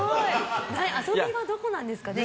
遊び場はどこなんですかね